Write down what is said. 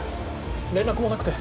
連絡もなくて。